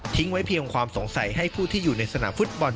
ไว้เพียงความสงสัยให้ผู้ที่อยู่ในสนามฟุตบอล